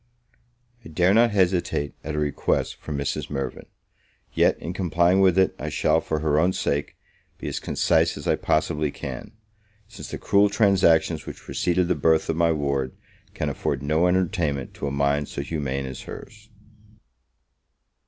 I dare not hesitate at a request from Mrs. Mirvan; yet, in complying with it, I shall, for her own sake, be as concise as I possibly can; since the cruel transactions which preceded the birth of my ward can afford no entertainment to a mind so humane as her's.